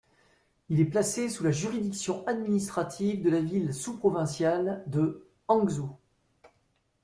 Il est placé sous la juridiction administrative de la ville sous-provinciale de Hangzhou.